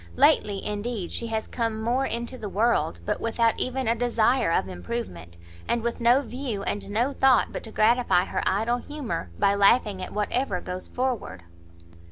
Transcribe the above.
Lately, indeed, she has come more into the world, but without even a desire of improvement, and with no view and no thought but to gratify her idle humour by laughing at whatever goes forward."